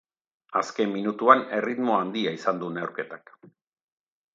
Azken minutuan erritmo handia izan du neurketak.